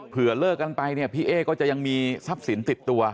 เผื่อเลิกกันไปพี่เอ๊ะก็จะยังมีทรัพย์สินติดตัว